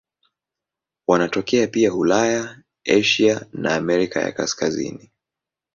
Wanatokea pia Ulaya, Asia na Amerika ya Kaskazini.